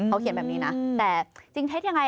เขาเขียนแบบนี้นะแต่จริงเท็จยังไง